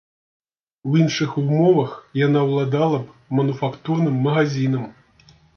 У іншых умовах яна ўладала б мануфактурным магазінам.